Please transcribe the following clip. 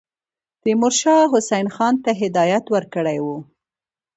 تیمورشاه حسین خان ته هدایت ورکړی وو.